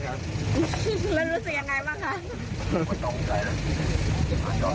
แล้วสุดท้ายเข้ามาเจอ